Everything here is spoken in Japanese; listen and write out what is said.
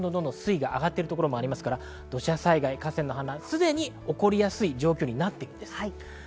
佐賀県内でもどんどん水位が上がっているところもありますので、土砂災害、河川の氾濫、すでに起こりやすい状況になっています。